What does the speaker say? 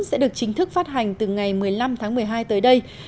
sẽ được chính thức phát hành từ ngày một mươi năm tháng một mươi hai tới đây